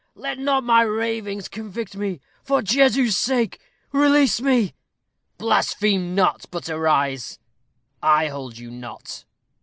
Let not my ravings convict me. For Jesu's sake, release me." "Blaspheme not, but arise. I hold you not."